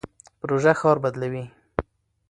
پروژه ښار بدلوي.